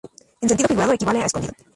En sentido figurado equivale a "escondido".